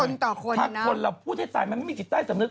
ต่อคนถ้าคนเราพูดให้ตายมันไม่มีจิตใต้สำนึก